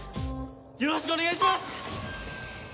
よろしくお願いします！